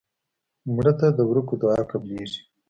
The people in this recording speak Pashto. مړه ته د ورکو دعا قبلیږي